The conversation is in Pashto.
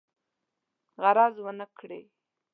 غرض ونه کړي.